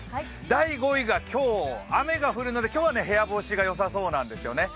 第５位が今日、雨が降るので今日は部屋干しがよさそうなんですよ。